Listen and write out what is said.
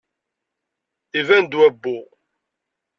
Iban-d wabbu.